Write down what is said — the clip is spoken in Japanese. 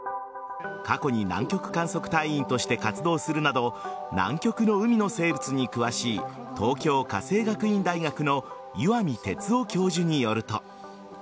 過去に南極観測隊員として活動するなど南極の海の生物に詳しい東京家政学院大学の岩見哲夫教授によると。